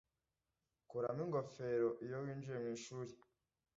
Kuramo ingofero iyo winjiye mwishuri.